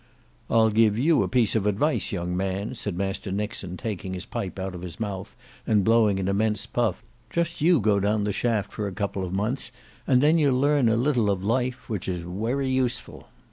"I'll give you a piece of advice young man," said Master Nixon taking his pipe out of his mouth and blowing an immense puff; "just you go down the shaft for a couple of months, and then you'll learn a little of life, which is wery useful."